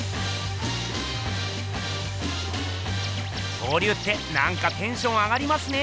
恐竜ってなんかテンション上がりますね。